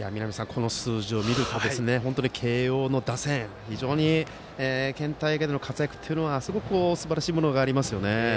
この数字を見ると本当に慶応の打線、非常に県大会での活躍というのはすばらしいものがありますね。